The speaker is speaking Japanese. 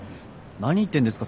何言ってんですか？